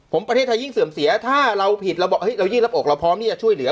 ผมประเทศไทยยิ่งเสื่อมเสียถ้าเราผิดเราบอกเรายิ่งรับอกเราพร้อมที่จะช่วยเหลือ